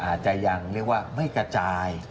อาจจะยังเรียกว่าไม่กระจาย